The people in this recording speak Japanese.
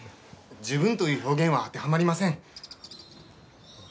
十分という表現は当てはまりません。